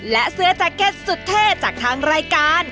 และเสื้อแจ็คเก็ตสุดเท่จากทางรายการ